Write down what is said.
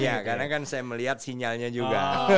iya karena kan saya melihat sinyalnya juga